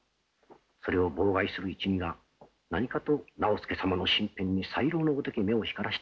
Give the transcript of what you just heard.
それを妨害する一味が何かと直弼様の身辺にさいろうのごとき目を光らせておるのじゃ。